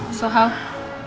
karena aku mau ketemu sama elsa